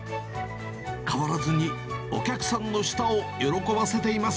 変わらずにお客さんの舌を喜ばせています。